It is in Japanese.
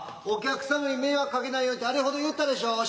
お客様に迷惑かけないようにってあれほど言ったでしょ。